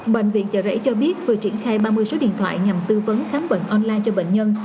bệnh viện chợ rẫy cho biết vừa triển khai ba mươi số điện thoại nhằm tư vấn khám bệnh online cho bệnh nhân